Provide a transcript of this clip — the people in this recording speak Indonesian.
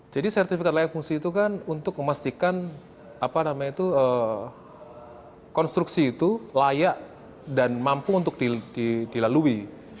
jadi sertifikat laik fungsi itu kan untuk memastikan konstruksi itu layak dan mampu untuk dilalui